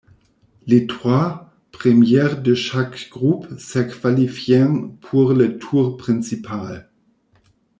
Les trois premiers de chaque groupe se qualifient pour le tour principal.